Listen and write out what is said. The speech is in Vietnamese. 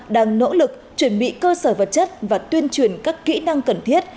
đang nỗ lực chuẩn bị cơ sở vật chất và tuyên truyền các kỹ năng cần thiết